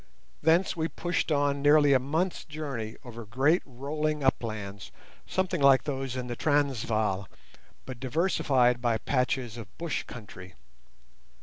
Thence we pushed on nearly a month's journey over great rolling uplands, something like those in the Transvaal, but diversified by patches of bush country.